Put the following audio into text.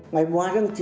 ngày bốn tháng chín